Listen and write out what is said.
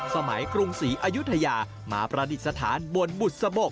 กรุงศรีอายุทยามาประดิษฐานบนบุษบก